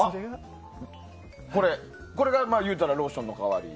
これが、いうたらローションの代わり？